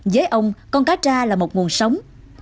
với ông con cá tra là một nguồn sống